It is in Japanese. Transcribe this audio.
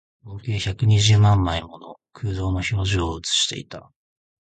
合計百二十枚もの空洞の表情を写していた